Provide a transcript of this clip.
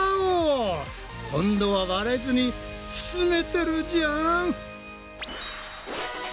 今度は割れずにつつめてるじゃん！